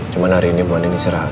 cuma hari ini bu andien istirahat